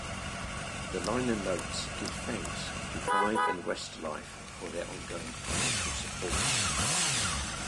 The liner notes give 'thanks' to Five and Westlife "for their ongoing financial support".